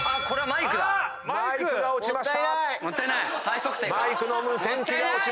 これはマイクだ。